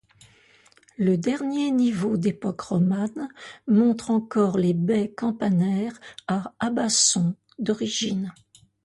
Le dernier niveau d'époque romane montre encore les baies campanaires à abat-sons d'origine.